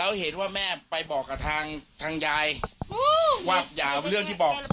แล้วเห็นว่าแม่ไปบอกกับทางทางยายว่าอย่าเอาเรื่องที่บอก